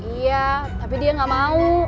iya tapi dia gak mau